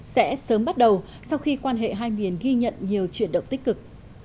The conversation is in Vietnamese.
sẽ sớm bắt đầu sau khi quan hệ hai miền ghi nhận nhiều chuyển động tích cực